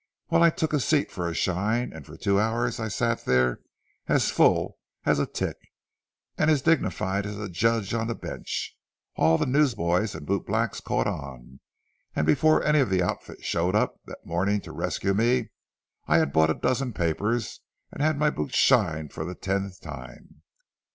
Well, I took a seat for a shine, and for two hours I sat there as full as a tick, and as dignified as a judge on the bench. All the newsboys and bootblacks caught on, and before any of the outfit showed up that morning to rescue me, I had bought a dozen papers and had my boots shined for the tenth time.